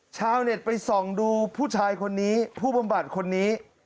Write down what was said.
ชาวเน็ตไปส่องดูผู้ชายคนนี้ผู้บำบัดคนนี้